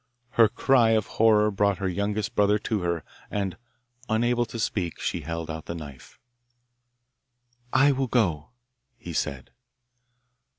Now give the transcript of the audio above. Her cry of horror brought her youngest brother to her, and, unable to speak, she held out the knife! 'I will go,' he said.